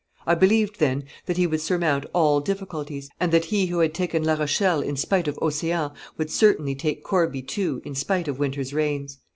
I believed, then, that he would surmount all difficulties; and that he who had taken La Rochelle in spite of Ocean, would certainly take Corbie too in spite of Winter's rains.